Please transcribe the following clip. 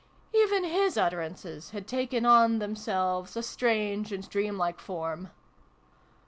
Even his utterances had taken on themselves a strange and dream like form.